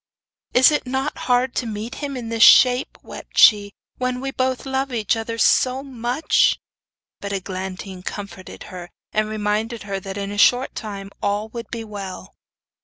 'Is it not hard to meet him in this shape,' wept she, 'when we both love each other so much?' But Eglantine comforted her, and reminded her that in a short time all would be well.